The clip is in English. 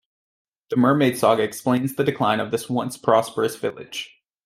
The mermaid saga explains the decline of this once prosperous village.